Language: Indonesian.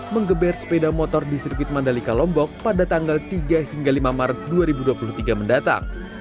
mengeber sepeda motor di sirkuit mandalika lombok pada tanggal tiga hingga lima maret dua ribu dua puluh tiga mendatang